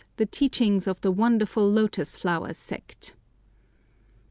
The teachings of the wonderful lotus flower sect."